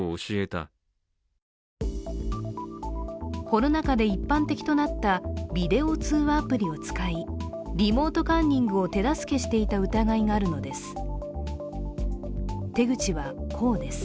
コロナ禍で一般的となったビデオ通話アプリを使い、リモートカンニングを手助けしていた疑いがあるのです。